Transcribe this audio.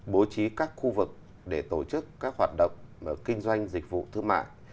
bố trí các khu vực để tổ chức các hoạt động kinh doanh dịch vụ thương mại